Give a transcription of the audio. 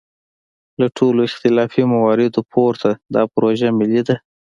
له ټولو اختلافي مواردو پورته دا پروژه ملي ده.